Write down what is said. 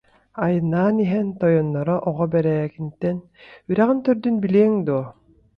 Айаннаан иһэн, тойонноро Оҕо Бэрээкинтэн: «Үрэҕиҥ төрдүн билиэҥ дуо